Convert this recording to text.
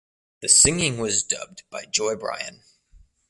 The singing was dubbed by Joy Bryan.